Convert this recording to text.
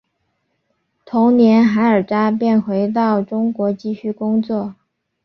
同年韩尔礼便回到中国继续工作。